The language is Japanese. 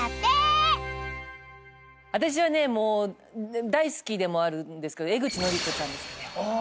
私はね大好きでもあるんですけど江口のりこちゃんですかね。